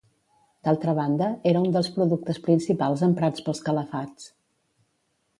D’altra banda, era un dels productes principals emprats pels calafats.